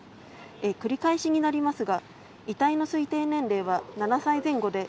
繰り返しになりますが遺体の推定年齢は７歳前後で